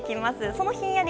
そのひんやり